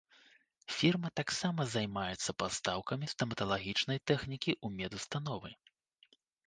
Фірма таксама займаецца пастаўкамі стаматалагічнай тэхнікі ў медустановы.